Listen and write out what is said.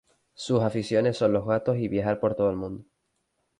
Sus aficiones son los gatos y viajar por todo el mundo.